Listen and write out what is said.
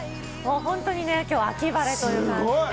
本当に、きょうは秋晴れという感じです。